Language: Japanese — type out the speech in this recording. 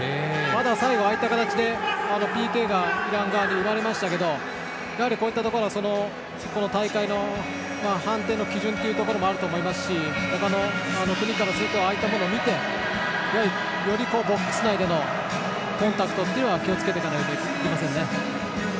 まだ最後、ああいった形でＰＫがイラン側で行われましたけどこういったところ大会の判定の基準もあると思いますし他の国からするとああいうものを見てよりボックス内のコンタクトには気をつけていかないといけません。